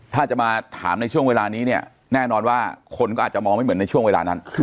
ถ้าจะมาถามในช่วงเวลานี้เนี่ยแน่นอนว่าคนก็อาจจะมองไม่เหมือนในช่วงเวลานั้น